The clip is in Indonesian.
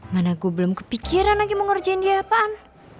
mana gue belum kepikiran lagi mau ngerjain dia pan